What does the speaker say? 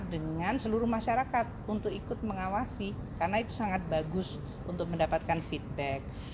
dengan seluruh masyarakat untuk ikut mengawasi karena itu sangat bagus untuk mendapatkan feedback